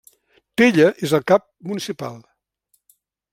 Tella és el cap municipal.